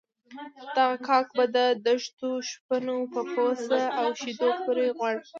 دغه کاک به د دښتو شپنو په پوڅه او شيدو پورې خوړ.